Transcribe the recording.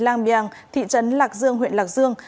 lang biang thị trấn lạc dương huyện lạc dương